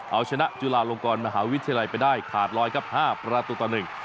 เอาชนะจุฬาลงกรมหาวิทยาลัยธรรมศาสตร์ไปได้ขาดรอยครับ๕ประตูตอนหนึ่ง